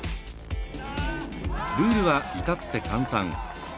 ルールは、いたって簡単。